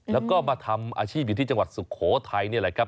แล้วก็มาทำอาชีพอยู่ที่จังหวัดสุโขทัยนี่แหละครับ